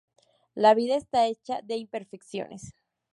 La vida está hecha de imperfecciones.